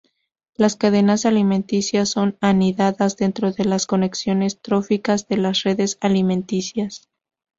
Las cadenas alimenticias son anidadas dentro de las conexiones tróficas de las redes alimenticias.